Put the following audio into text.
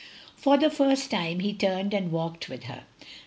For the first time, he turned and walked with her.